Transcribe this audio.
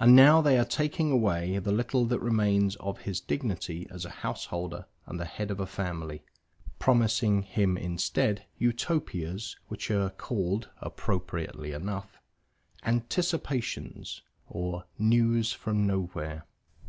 And now they are taking away the little that remains of his dignity as a householder and the head of a family, promising him instead Utopias which are called (appropriately enough) "Anticipations" or "News from Nowhere."